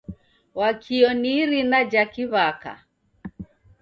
Wakio ni irina jha kiw'aka.